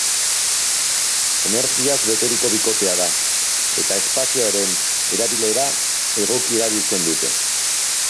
Energiaz beteriko bikotea da, eta espazioaren erabilera egoki erabiltzen dute.